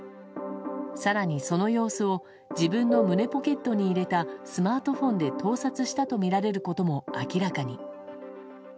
更に、その様子を自分の胸ポケットに入れたスマートフォンで盗撮したとみられることも明らかに。